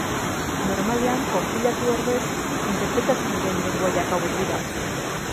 Normalean konpilatu ordez interpretatzen diren lengoaiak hauek dira.